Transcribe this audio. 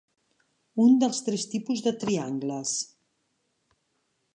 Un dels tres tipus de triangles.